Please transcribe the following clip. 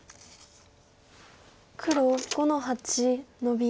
黒５の八ノビ。